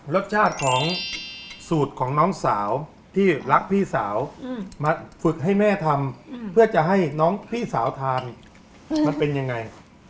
รสชาติของสูตรของน้องสาวที่รักพี่สาวมาฝึกให้แม่ทำเพื่อจะให้น้องพี่สาวทานมันเป็นยังไง